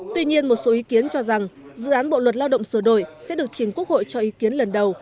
tuy nhiên một số ý kiến cho rằng dự án bộ luật lao động sửa đổi sẽ được chính quốc hội cho ý kiến lần đầu